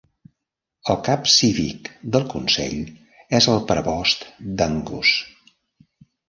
El cap cívic del consell és el prebost d'Angus.